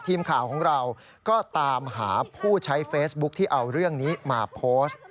ทีมข่าวของเราก็ตามหาผู้ใช้เฟซบุ๊คที่เอาเรื่องนี้มาโพสต์